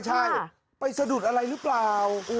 ใช่ไปสะดุดอะไรหรือเปล่า